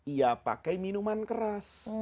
ia pakai minuman keras